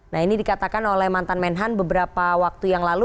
nah ini dikatakan oleh mantan menhan beberapa waktu yang lalu